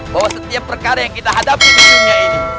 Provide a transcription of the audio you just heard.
bahwa setiap perkara yang kita hadapi di dunia ini